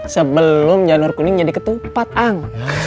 sebelum jalur kuning jadi ketupat ang